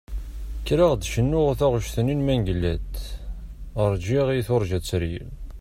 Kkreɣ ad d-cnuɣ taɣect-nni n Mengellat "Rğiɣ i turğa teryel".